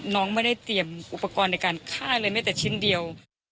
น้องไม่ได้เตรียมอุปกรณ์ในการฆ่าเลยแม้แต่ชิ้นเดียว